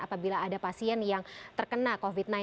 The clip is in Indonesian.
apabila ada pasien yang terkena covid sembilan belas